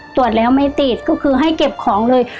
ตรวจแล้วไม่ติดก็คือให้เก็บของเลย